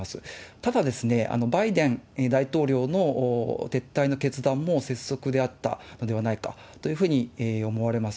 ただ、バイデン大統領の撤退の決断も拙速であったのではないかというふうに思われます。